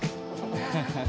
ハハハハ！